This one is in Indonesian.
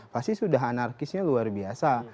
pasti sudah anarkisnya luar biasa